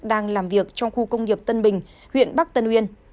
đang làm việc trong khu công nghiệp tân bình huyện bắc tân uyên